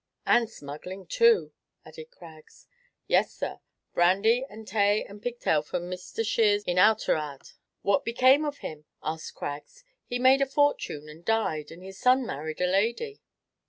"And smuggling, too!" added Craggs. "Yes, sir; brandy, and tay, and pigtail, for Mister Sheares, in Oughterard." "What became of him?" asked Craggs. "He made a fortune and died, and his son married a lady!"